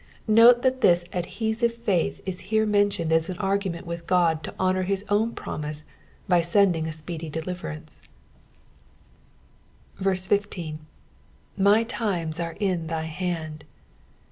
Note that this adhesive faith ia here mentioned as an argument with God to honour his own promise by sending a speedy deliverance, 15. " My time* are in thy Aand."